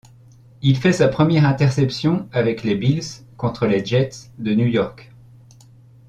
Il fait sa première interception avec les Bills contre les Jets de New York.